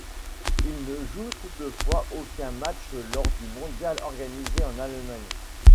Il ne joue toutefois aucun match lors du mondial organisé en Allemagne.